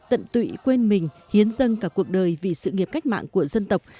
tận tụy quên mình hiến dâng cả cuộc đời vì sự nghiệp cách mạng của dân tộc